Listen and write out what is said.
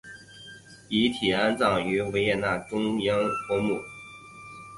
遗体安葬于维也纳中央公墓。